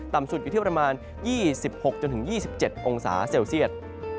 สุดอยู่ที่ประมาณ๒๖๒๗องศาเซลเซียต